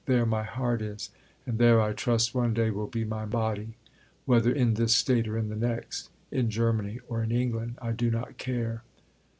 There my heart is, and there I trust one day will be my body; whether in this state or in the next, in Germany or in England, I do not care.